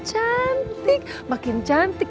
cantik makin cantik